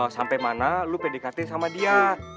sampai mana lu pdkt sama dia